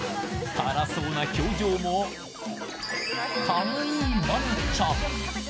辛そうな表情もかわいい愛菜ちゃん。